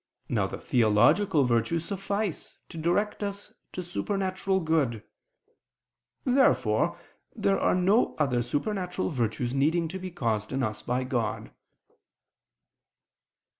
Now the theological virtues suffice to direct us to supernatural good. Therefore there are no other supernatural virtues needing to be caused in us by God.